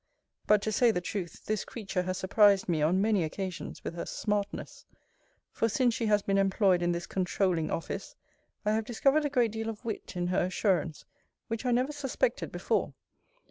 But, to say the truth, this creature has surprised me on many occasions with her smartness: for, since she has been employed in this controuling office, I have discovered a great deal of wit in her assurance, which I never suspected before.